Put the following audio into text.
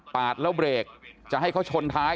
แล้วเบรกจะให้เขาชนท้าย